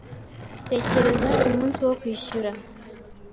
Tekereza ku munsi wo kwishyura.